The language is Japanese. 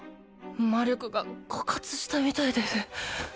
魔力が枯渇したみたいです